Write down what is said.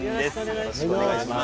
よろしくお願いします。